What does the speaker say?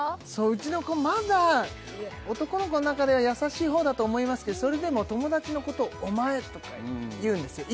うちの子まだ男の子の中では優しい方だと思いますけどそれでも友達のことを「お前」とか言うんですよ